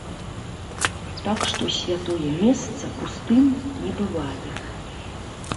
Так што святое месца пустым не бывае.